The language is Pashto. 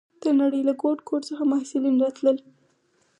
د نړۍ له ګوټ ګوټ څخه محصلین راتلل.